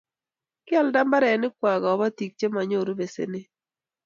kialda mbarenikwak kabotik che manyoru besenet